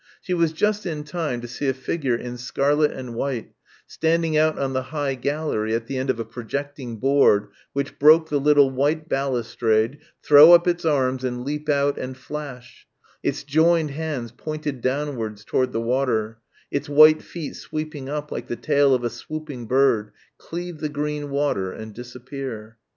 She was just in time to see a figure in scarlet and white, standing out on the high gallery at the end of a projecting board which broke the little white balustrade, throw up its arms and leap out and flash its joined hands pointed downwards towards the water, its white feet sweeping up like the tail of a swooping bird cleave the green water and disappear.